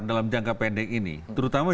dalam jangka pendek ini terutama